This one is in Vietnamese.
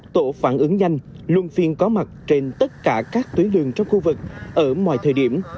một tổ phản ứng nhanh luôn phiên có mặt trên tất cả các tuyến lương trong khu vực ở mọi thời điểm